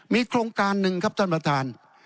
มีโครงการหนึ่งครับท่านประธาน